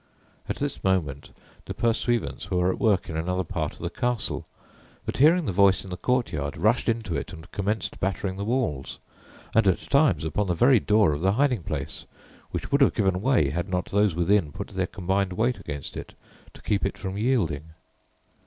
At this moment the pursuivants were at work in another part of the castle, but hearing the voice in the courtyard, rushed into it and commenced battering the walls, and at times upon the very door of the hiding place, which would have given way had not those within put their combined weight against it to keep it from yielding.